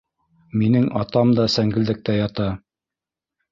Минең атам да сәңгелдәктә ята...